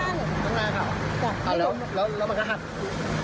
อ่าแล้วมันก็หับและเข้ามานินนึง